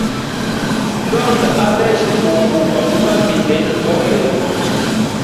Londa abejya mbungu gwakugabile bomene.